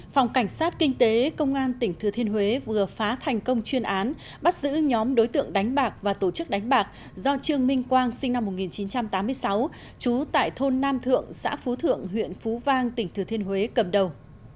phòng cảnh sát kinh tế công an tỉnh thừa thiên huế vừa phá thành công chuyên án bắt giữ nhóm đối tượng đánh bạc và tổ chức đánh bạc do trương minh quang sinh năm một nghìn chín trăm tám mươi sáu trú tại thôn nam thượng xã phú thượng huyện phú vang tỉnh thừa thiên huế cầm đầu